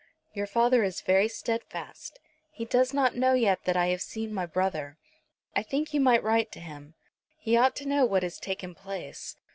"Your father is very steadfast. He does not know yet that I have seen my brother. I think you might write to him. He ought to know what has taken place.